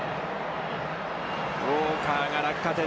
ウォーカーが落下点。